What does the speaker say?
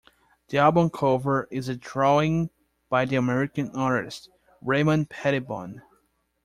The album cover is a drawing by the American artist Raymond Pettibon.